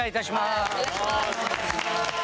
はいお願いします。